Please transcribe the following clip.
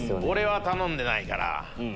俺は頼んでないから。